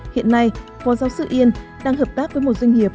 hiện nay phó giáo sư yên đang hợp tác với một doanh nghiệp